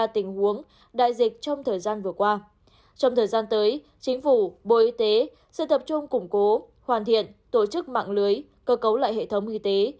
trong thời gian tới chính phủ bộ y tế sẽ tập trung củng cố hoàn thiện tổ chức mạng lưới cơ cấu lại hệ thống y tế